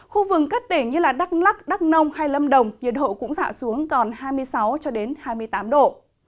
khu vực các tỉnh như đắk lắc đắk nông hay lâm đồng nhiệt độ cũng giảm xuống còn hai mươi sáu cho đến hai mươi tám độ